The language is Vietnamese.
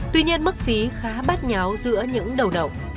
tuy nhiên mức phí khá bát nháo giữa những đầu đầu